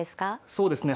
そうですね